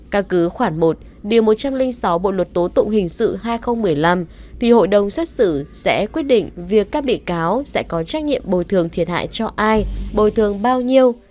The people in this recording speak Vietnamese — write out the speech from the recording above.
các cứ khoản một điều một trăm linh sáu bộ luật tố tụng hình sự hai nghìn một mươi năm thì hội đồng xét xử sẽ quyết định việc các bị cáo sẽ có trách nhiệm bồi thường thiệt hại cho ai bồi thường bao nhiêu